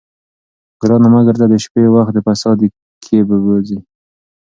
ګرانه مه ګرځه د شپې، وخت د فساد دي کښې بوځې